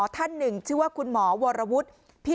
ท่านหนึ่งชื่อว่าคุณหมอวรวุฒิ